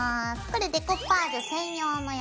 これデコパージュ専用のやつね。